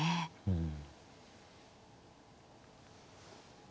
うん。